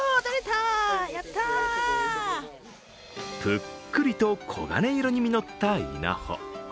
ぷっくりと黄金色に実った稲穂。